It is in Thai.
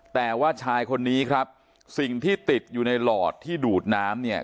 แต่ว่าชายคนนี้ครับสิ่งที่ติดอยู่ในหลอดที่ดูดน้ำเนี่ย